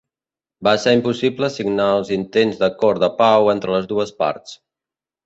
Va ser impossible signar els intents d'acords de pau entre les dues parts.